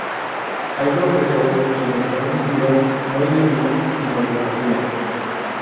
Hay profesores quienes nos inspiran, nos iluminan, y nos desafían.